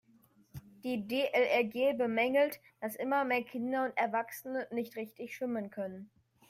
Die DLRG bemängelt, dass immer mehr Kinder und Erwachsene nicht richtig schwimmen können.